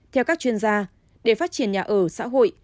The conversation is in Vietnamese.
theo các chuyên gia để phát triển nhà ở xã hội